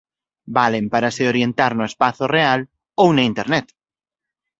Valen para se orientar no espazo real ou na Internet.